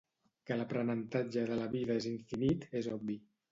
Que l'aprenentatge de la vida és infinit és obvi.